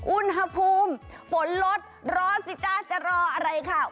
อุณหภูมิฝนลดร้อนสิจ๊ะจะรออะไรค่ะ